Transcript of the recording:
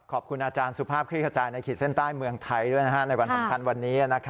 ขอบคุณอาจารย์สุภาพคลี่ขจายในขีดเส้นใต้เมืองไทยด้วยในวันสำคัญวันนี้